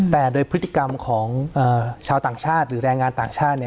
แต่โดยพฤติกรรมของชาวต่างชาติหรือแรงงานต่างชาติ